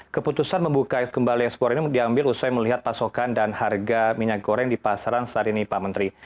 keputusan membuka kembali ekspor ini diambil usai melihat pasokan dan harga minyak goreng di pasaran saat ini pak menteri